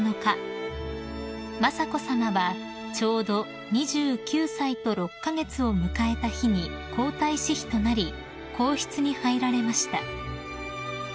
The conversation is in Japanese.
雅子さまはちょうど２９歳と６カ月を迎えた日に皇太子妃となり皇室に入られました］